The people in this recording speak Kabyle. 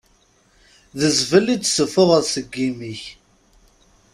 D zzbel i d-tessuffuɣeḍ seg yimi-k.